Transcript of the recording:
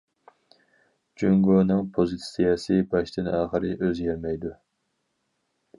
جۇڭگونىڭ پوزىتسىيەسى باشتىن- ئاخىر ئۆزگەرمەيدۇ.